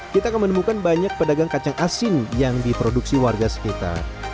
kita akan menemukan banyak pedagang kacang asin yang diproduksi warga sekitar